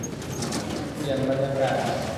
เปลี่ยนบรรยากาศ